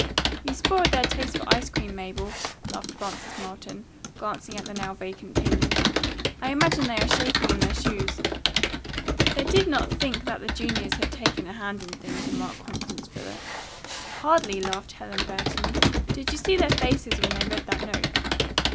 "You spoiled their taste for ice cream, Mabel," laughed Frances Marlton, glancing at the now vacant table. "I imagine they are shaking in their shoes." "They did not think that the juniors had taken a hand in things," remarked Constance Fuller. "Hardly," laughed Helen Burton. "Did you see their faces when they read that note?"